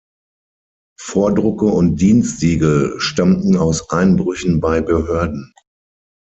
Vordrucke und Dienstsiegel stammten aus Einbrüchen bei Behörden.